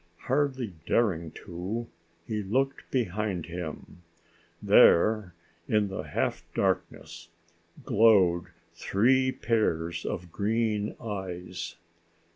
Hardly daring to, he looked behind him. There in the half darkness, glowed three pairs of green eyes.